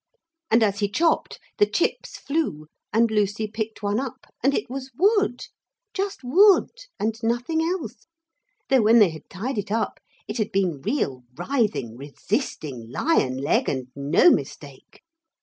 And as he chopped the chips flew, and Lucy picked one up, and it was wood, just wood and nothing else, though when they had tied it up it had been real writhing resisting lion leg and no mistake.